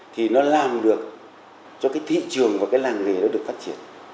thì nó làm được cho cái thị trường và cái làng nghề nó được phát triển